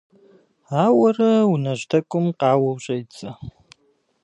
Ауэрэ унэжь тӀэкӀум къауэу щӀедзэ.